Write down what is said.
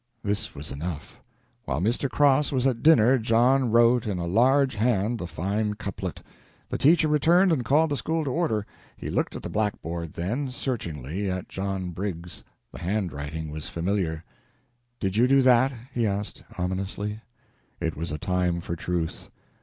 This was enough. While Mr. Cross was at dinner John wrote in a large hand the fine couplet. The teacher returned and called the school to order. He looked at the blackboard, then, searchingly, at John Briggs. The handwriting was familiar. "Did you do that?" he asked, ominously. It was a time for truth.